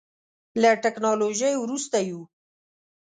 له ټکنالوژۍ وروسته یو.